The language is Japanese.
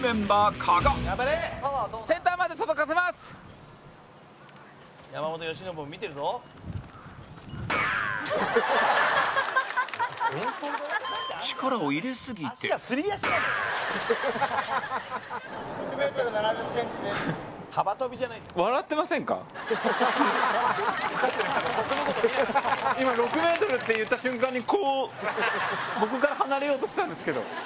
加賀：今、６ｍって言った瞬間にこう、僕から離れようとしてたんですけど。